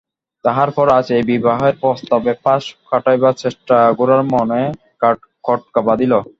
তাহার পরে আজ এই বিবাহের প্রস্তাবে পাশ কাটাইবার চেষ্টায় গোরার মনে খটকা বাধিল।